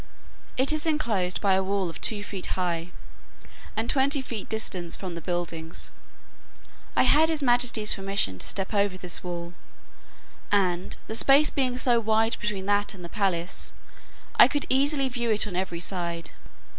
It is enclosed by a wall of two feet high, and twenty feet distance from the buildings. I had his majesty's permission to step over this wall; and, the space being so wide between that and the palace, I could easily view it on every side.